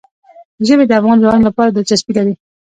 ژبې د افغان ځوانانو لپاره دلچسپي لري.